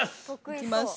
いきます。